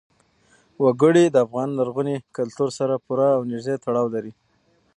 وګړي د افغان لرغوني کلتور سره پوره او نږدې تړاو لري.